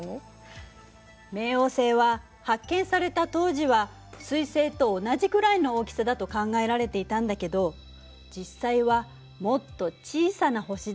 冥王星は発見された当時は水星と同じくらいの大きさだと考えられていたんだけど実際はもっと小さな星だということが分かったの。